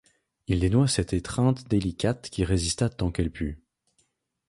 Il dénoua cette étreinte délicate qui résista tant qu’elle put.